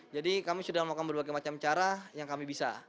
jadi kami sudah melakukan berbagai macam cara yang kami bisa